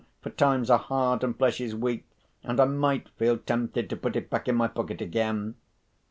For times are hard, and flesh is weak; and I might feel tempted to put it back in my pocket again."